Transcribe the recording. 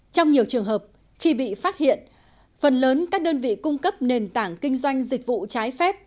trong nhiều trường hợp khi bị phát hiện phần lớn các đơn vị cung cấp nền tảng kinh doanh dịch vụ trái phép